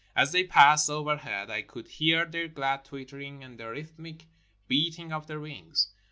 As they passed overhead I could hear their glad twittering and the rhythmic beating of their wings.